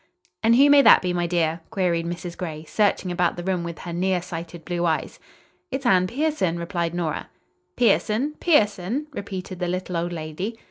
"And who may that be, my dear?" queried Mrs. Gray, searching about the room with her nearsighted blue eyes. "It's Anne Pierson" replied Nora. "Pierson, Pierson?" repeated the little old lady.